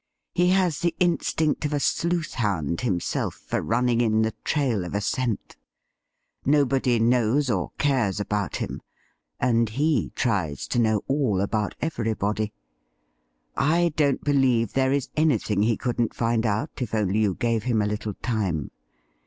He has the instinct of a sleuth hound himself for running in the trail of a scent. Nobody knows or cares about him, and he tries to know all about everybody. I don't believe there is anything he couldn't find out if only you gave him a little time.